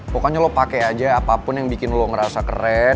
pokoknya lo pakai aja apapun yang bikin lo ngerasa keren